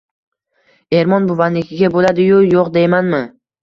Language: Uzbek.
Ermon buvanikiga bo‘ladi-yu, yo‘q deymanmi!